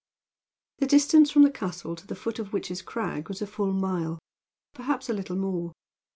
The distance from the castle to the foot of Witch's Crag was a full mile, perhaps a little more.